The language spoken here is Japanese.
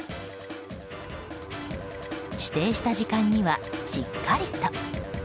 指定した時間には、しっかりと。